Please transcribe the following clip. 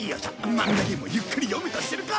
漫画でもゆっくり読むとするか。